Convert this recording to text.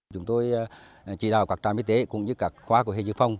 chúng tôi chỉ đào các trang y tế cũng như các khóa của hệ dương phong